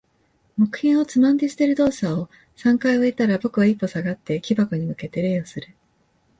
木片をつまんで捨てる動作を三回終えたら、僕は一歩下がって、木箱に向けて礼をする。